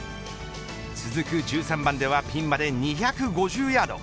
続く１３番ではピンまで２５０ヤード。